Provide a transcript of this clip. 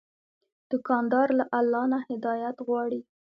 دوکاندار له الله نه هدایت غواړي.